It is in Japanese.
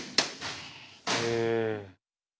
へえ。